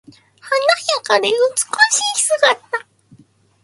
華やかで美しい姿。